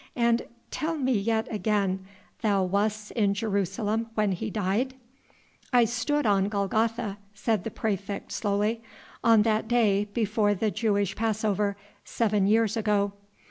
And tell me yet again thou wast in Jerusalem when He died?" "I stood on Golgotha," said the praefect slowly, "on that day before the Jewish Passover, seven years ago.